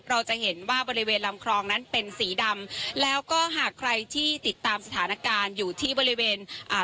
เราจะเห็นว่าบริเวณลำคลองนั้นเป็นสีดำแล้วก็หากใครที่ติดตามสถานการณ์อยู่ที่บริเวณอ่า